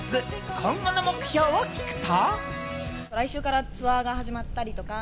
今後の目標を聞くと。